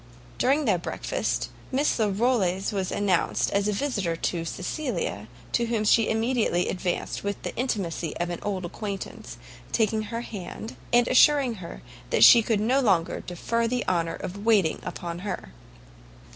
During their breakfast, Miss Larolles was announced as a visitor to Cecilia, to whom she immediately advanced with the intimacy of an old acquaintance, taking her hand, and assuring her she could no longer defer the honour of waiting upon her.